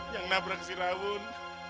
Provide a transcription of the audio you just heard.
yang nabrak si rawun